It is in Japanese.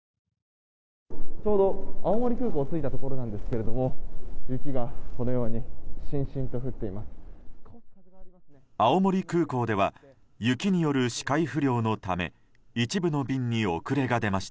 ちょうど青森空港に着いたところなんですけれども雪がしんしんと降っています。